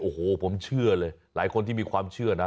โอ้โหผมเชื่อเลยหลายคนที่มีความเชื่อนะ